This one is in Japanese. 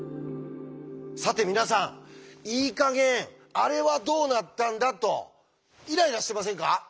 さて皆さんいい加減あれはどうなったんだとイライラしてませんか？